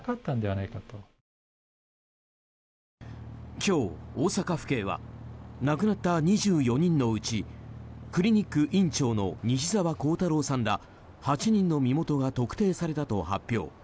今日、大阪府警は亡くなった２４人のうちクリニック院長の西沢弘太郎さんら８人の身元が特定されたと発表。